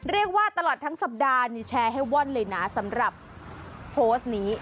เรียกว่าตลอดทั้งสัปดาห์นี่แชร์ให้ว่อนเลยนะสำหรับโพสต์นี้